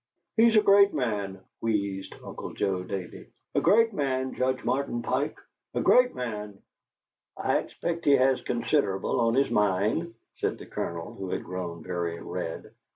"He's a great man," wheezed Uncle Joe Davey; "a great man, Judge Martin Pike; a great man!" "I expect he has considerable on his mind," said the Colonel, who had grown very red.